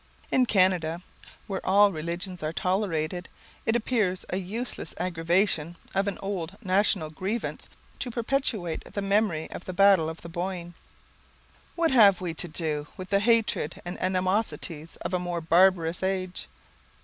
In Canada, where all religions are tolerated, it appears a useless aggravation of an old national grievance to perpetuate the memory of the battle of the Boyne. What have we to do with the hatreds and animosities of a more barbarous age.